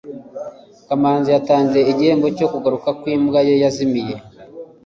kamanzi yatanze igihembo cyo kugaruka kwimbwa ye yazimiye